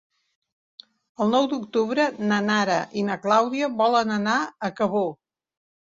El nou d'octubre na Nara i na Clàudia volen anar a Cabó.